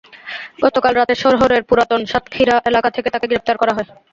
গতকাল রাতে শহরের পুরাতন সাতক্ষীরা এলাকা থেকে তাঁকে গ্রেপ্তার করা হয়।